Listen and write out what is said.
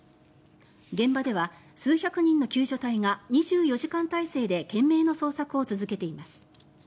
現場では数百人の救助隊が２４時間体制で懸命の捜索を続けています。